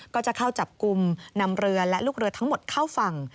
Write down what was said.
ก็จะเข้าจับกลุ่มนำเรือและลูกเรือทั้งหมดเข้าฝั่ง